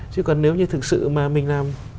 chứ còn nếu như thực sự mà mình làm